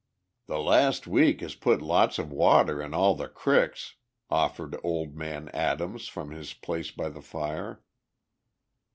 "The last week has put lots of water in all the cricks," offered old man Adams from his place by the fire.